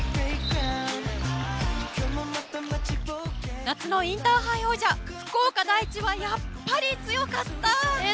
夏のインターハイ王者福岡第一はやっぱり強かった！